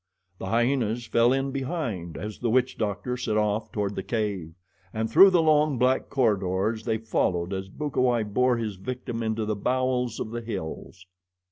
The hyenas fell in behind as the witch doctor set off toward the cave, and through the long black corridors they followed as Bukawai bore his victim into the bowels of the hills.